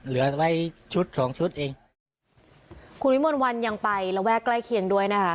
เหลือไว้ชุดสองชุดเองคุณวิมนต์วันยังไประแวกใกล้เคียงด้วยนะคะ